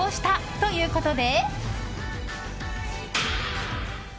ということで。